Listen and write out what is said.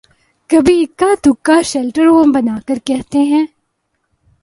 کبھی اکا دکا شیلٹر ہوم بنا کر کہتے ہیں۔